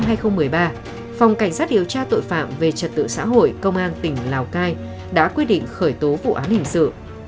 ngày hai mươi bảy tháng chín năm hai nghìn một mươi ba phòng cảnh sát điều tra tội phạm về trật tự xã hội công an tỉnh lào cai đã quyết định khởi tố vụ án hình sự